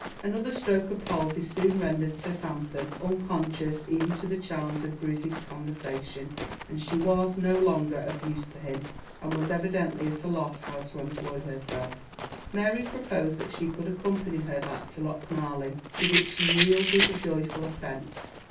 Another stroke of palsy soon rendered Sir Sampson unconscious even to the charms of Grizzy's conversation, and as she was no longer of use to him, and was evidently at a loss how to employ herself, Mary proposed that she should accompany her back to Lochmarlie, to which she yielded a joyful assent.